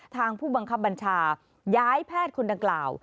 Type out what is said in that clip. ผู้บังคับบัญชาย้ายแพทย์คนดังกล่าว